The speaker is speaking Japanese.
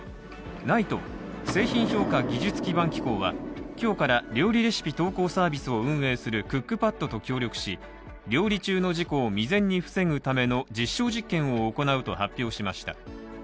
ＮＩＴＥ＝製品評価技術基盤機構は今日から料理レシピ投稿サービスを運営するクックパッドと協力し料理中の事故を未然に防ぐための実証実験を行うと発表しました。